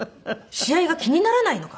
試合が気にならないのか？